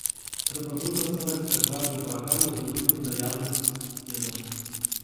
Трэба выпрацаваць дакладную праграму з улікам наяўных ведаў.